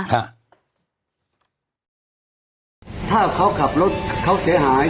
ถ้าเขาขับรถเขาเสียหาย